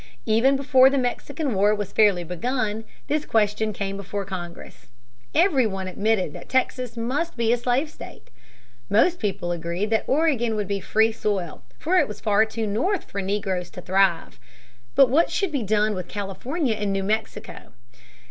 Even before the Mexican War was fairly begun, this question came before Congress. Every one admitted that Texas must be a slave state. Most people were agreed that Oregon would be free soil. For it was too far north for negroes to thrive. But what should be done with California and with New Mexico?